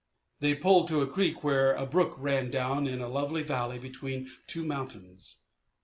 They pulled to a creek where a brook ran down in a lovely valley between two mountains.